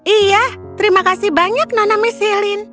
iya terima kasih banyak nana miss helen